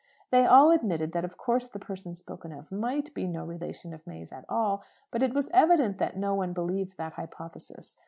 They all admitted that of course the person spoken of might be no relation of May's at all; but it was evident that no one believed that hypothesis.